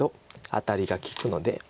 アタリが利くので。